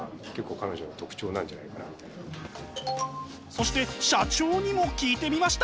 そして社長にも聞いてみました。